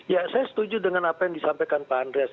ya saya setuju dengan apa yang disampaikan pak andreas